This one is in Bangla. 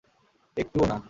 একটু ও না!